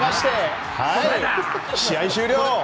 試合終了！